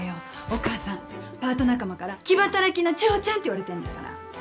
お母さんパート仲間から「気働きの千穂ちゃん」っていわれてるんだから。